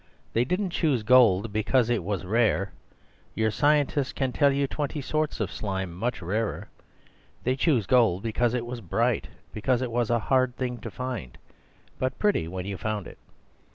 They didn't choose gold because it was rare; your scientists can tell you twenty sorts of slime much rarer. They chose gold because it was bright—because it was a hard thing to find, but pretty when you've found it.